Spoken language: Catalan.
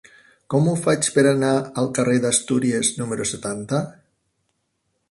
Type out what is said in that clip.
Com ho faig per anar al carrer d'Astúries número setanta?